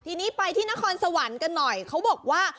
ทีนี้ไปที่นครสวรรค์กันหน่อยเขาบอกว่า